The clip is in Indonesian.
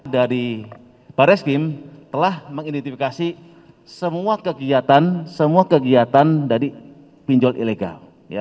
dari barreskrim telah mengidentifikasi semua kegiatan semua kegiatan dari pinjol ilegal